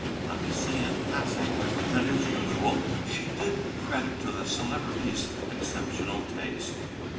Let me say, in passing, that as usual she did credit to the Celebrity's exceptional taste.